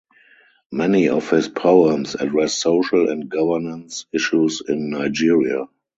Many of his poems address social and governance issues in Nigeria.